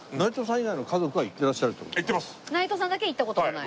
内藤さんだけ行った事がない。